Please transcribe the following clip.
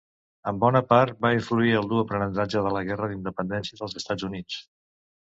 En bona part, va influir el dur aprenentatge de la Guerra d'Independència dels Estats Units.